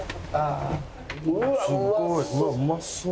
うわっうまそう。